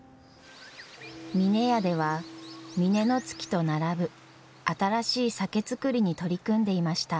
峰屋では峰乃月と並ぶ新しい酒造りに取り組んでいました。